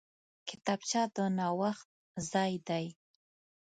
کتابچه د نوښت ځای دی